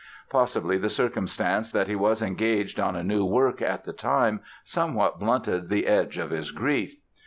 Possibly the circumstance that he was engaged on a new work at the time somewhat blunted the edge of his grief.